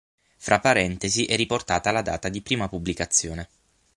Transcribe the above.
Fra parentesi è riportata la data di prima pubblicazione.